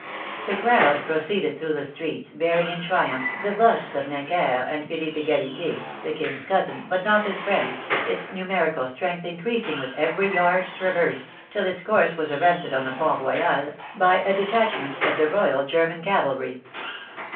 The crowd proceeded through the streets, bearing in triumph the busts of Necker and Philippe Egalite, the King's cousin, but not his friend, its numerical strength increasing with every yard traversed, till its course was arrested on the Pont Royal by a detachment of the Royal German Cavalry.